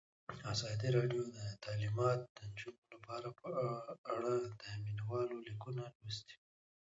ازادي راډیو د تعلیمات د نجونو لپاره په اړه د مینه والو لیکونه لوستي.